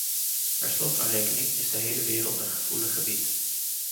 Per slot van rekening is de hele wereld een gevoelig gebied.